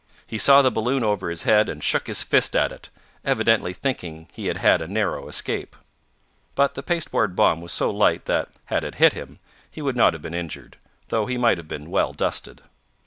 He saw the balloon over his head, and shook his fist at it, evidently thinking he had had a narrow escape. But the pasteboard bomb was so light that, had it hit him, he would not have been injured, though he might have been well dusted.